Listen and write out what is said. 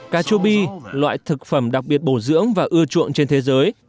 cà chua bi loại thực phẩm đặc biệt bổ dưỡng và ưa chuộng trên thế giới